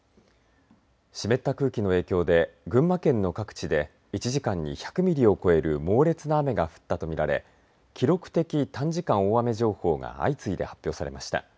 湿った空気の影響で群馬県の各地で１時間に１００ミリを超える猛烈な雨が降ったとみられ記録的短時間大雨情報が相次いで発表されました。